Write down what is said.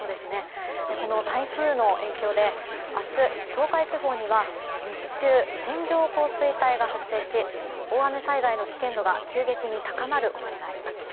この台風の影響で明日、東海地方には日中、線状降水帯が発生し大雨災害の危険度が急激に高まる恐れがあります。